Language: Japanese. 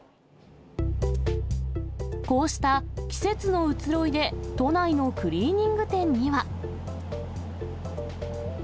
こうした季節の移ろいで、都内のクリーニング店には。